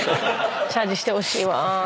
チャージしてほしいわ。